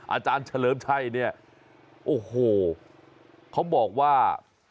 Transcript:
อาจารย์เฉลิมชัยเนี่ยโอ้โหเขาบอกว่า